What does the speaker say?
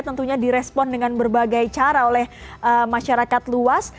tentunya direspon dengan berbagai cara oleh masyarakat luas